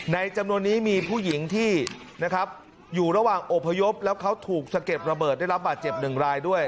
จำนวนนี้มีผู้หญิงที่นะครับอยู่ระหว่างอบพยพแล้วเขาถูกสะเก็ดระเบิดได้รับบาดเจ็บหนึ่งรายด้วย